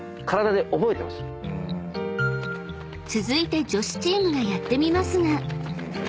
［続いて女子チームがやってみますが］